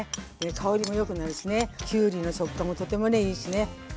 香りもよくなるしねきゅうりの食感もとてもねいいしね。